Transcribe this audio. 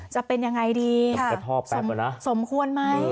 จะเป็นยังไงดีสมควรไหม